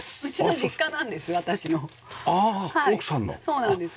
そうなんです。